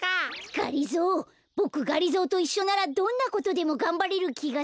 がりぞーボクがりぞーといっしょならどんなことでもがんばれるきがする。